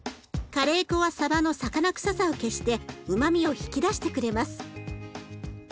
カレー粉はさばの魚臭さを消してうまみを引き出してくれます。